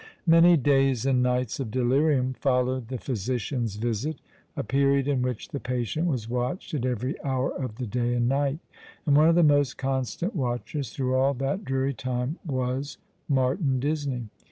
Jilany days and nights of delirium followed the phy sician's visit, a period in which the patient was watched at every hour of the day and night ; and one of the most constant watchers through all that dreary time was Martin Disney.